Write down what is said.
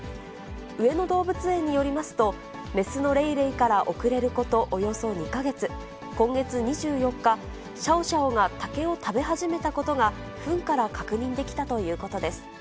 上野動物園によりますと、雌のレイレイから遅れることおよそ２か月、今月２４日、シャオシャオが竹を食べ始めたことが、ふんから確認できたということです。